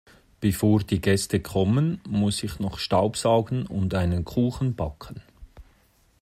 Bevor die Gäste kommen, muss ich noch staubsaugen und einen Kuchen backen.